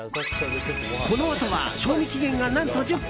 このあとは賞味期限が何と１０分。